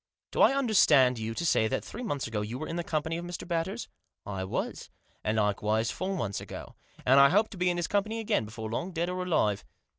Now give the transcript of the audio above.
"Do I understand you to say that three months ago you were in the company of Mr. Batters ?"" I was. And likewise four months ago. And I hope to be in his company again before long, dead or alive.